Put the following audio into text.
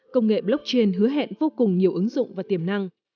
công nghệ blockchain hứa hẹn vô cùng nhiều ứng dụng và tiềm năng